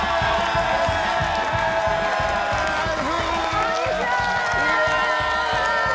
こんにちは！